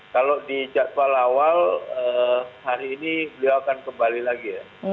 kalau di jadwal awal hari ini beliau akan kembali lagi ya